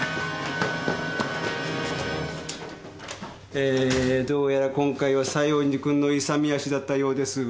えーどうやら今回は西園寺君の勇み足だったようです。